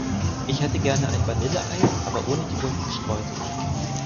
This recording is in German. Ich hätte gerne ein Vanille-Eis aber ohne die bunten Streusel!